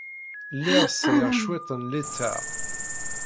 Lliɣ sriɣ cwiṭ n litteɛ.